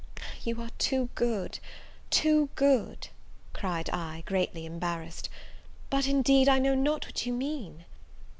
"You are too, too good," cried I, greatly embarrassed; "but indeed I know not what you mean."